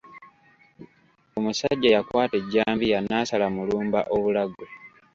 Omusajja yakwata ejjambiya n'asala Mulumba obulago.